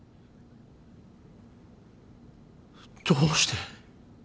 どうして？